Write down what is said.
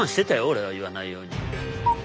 俺は言わないように。